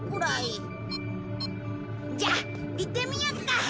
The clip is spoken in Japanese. じゃあ行ってみようか。